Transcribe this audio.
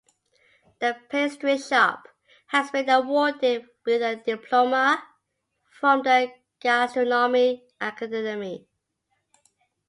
The pastry shop has been awarded with a diploma from the Gastronomy Academy.